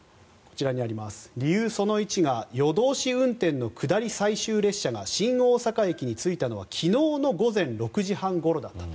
その１が夜通し運転の下り最終列車が新大阪駅に着いたのは昨日の午前６時半ごろだったと。